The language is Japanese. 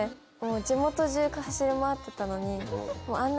地元中走り回ってたのに。